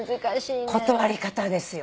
断り方ですよ